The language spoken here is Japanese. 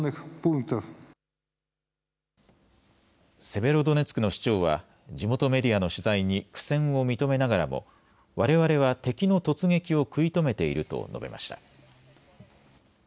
セベロドネツクの市長は地元メディアの取材に苦戦を認めながらもわれわれは敵の突撃を食い止めていると述べました。